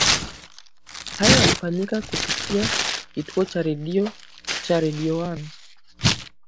Hayo yalifanyika kupitia kituo Cha redio Cha redio one